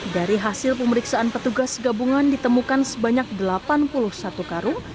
dari hasil pemeriksaan petugas gabungan ditemukan sebanyak delapan puluh satu karung